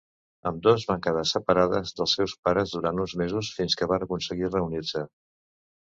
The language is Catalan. Ambdós van quedar separades dels seus pares durant uns mesos fins que van aconseguir reunir-se.